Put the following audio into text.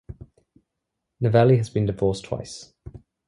Novelli has been divorced twice.